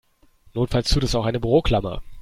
Notfalls tut es auch eine Büroklammer.